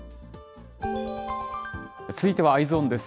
続いてはＥｙｅｓｏｎです。